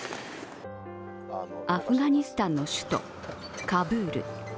アフガニスタンの首都カブール。